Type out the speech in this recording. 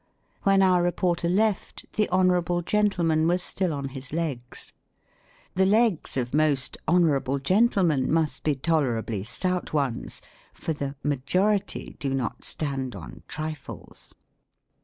" When our reporter left, the Honorable Gentleman was still on his legs." The legs of most " Honorable Gentlemen" must be tolerably stout ones ; for the " majority" do not stand on trifles.